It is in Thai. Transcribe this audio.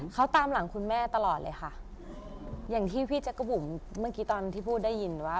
เขาตามหลังคุณแม่ตลอดเลยค่ะอย่างที่พี่แจ๊กกะบุ๋มเมื่อกี้ตอนที่พูดได้ยินว่า